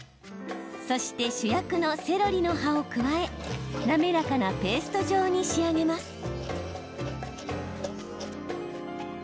そして主役のセロリの葉を加え滑らかなペースト状に仕上げます。